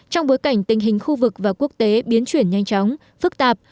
trong bối cảnh tình hình khu vực và quốc tế biến chuyển nhanh chóng phức tạp